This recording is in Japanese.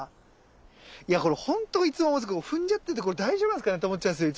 いやこれほんといつも思うんですけど踏んじゃってて大丈夫なんですかね？って思っちゃうんですよ。